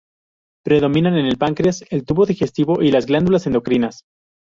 Predominan en el páncreas, el tubo digestivo y las glándulas endocrinas.